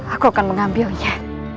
aku akan mengambilnya